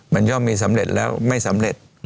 มันย่อมมีสำเร็จแล้วไม่สำเร็จ